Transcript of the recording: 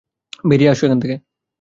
বেড়িয়ে আসো ওখান থেকে।